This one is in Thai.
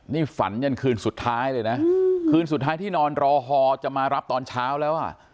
นี่ฝันยันคืนสุดท้ายเลยนะคืนสุดท้ายที่นอนรอฮอจะมารับตอนเช้าแล้วอ่ะ